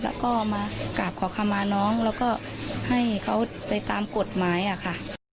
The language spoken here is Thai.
แล้วก็มากราบขอขมาน้องแล้วก็ให้เขาไปตามกฎหมายอะค่ะ